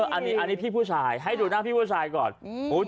อันนี้พี่ผู้ชายให้ดูหน้าพี่ผู้ชายก่อน